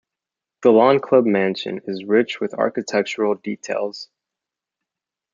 The Lawn Club mansion is rich with architectural details.